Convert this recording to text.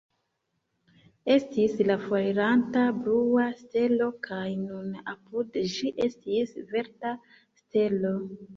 Estis la foriranta blua stelo, kaj nun apud ĝi estis verda stelo.